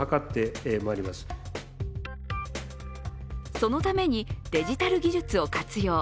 そのためにデジタル技術を活用。